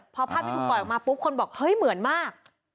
พอภาพนี้ถูกปล่อยออกมาปุ๊บคนบอกเฮ้ยเหมือนมาก